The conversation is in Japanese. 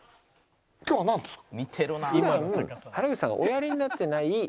今日はなんですか？